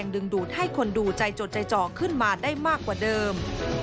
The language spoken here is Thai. ดึงดูดให้คนดูใจจดใจจ่อขึ้นมาได้มากกว่าเดิม